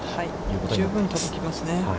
十分届きますね。